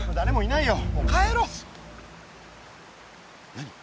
何？